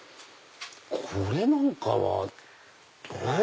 これなんかはえっ？